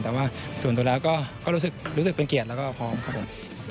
แต่ว่าส่วนตัวแล้วก็รู้สึกเป็นเกียรติแล้วก็พร้อมครับผม